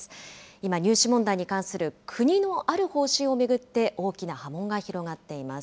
今、入試問題に関する国のある方針を巡って、大きな波紋が広がっています。